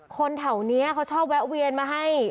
คนแถวนี้เขาชอบแวะเวียนมาให้